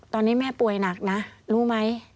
ตอนนี้แม่ป่วยหนักนะรู้ไหม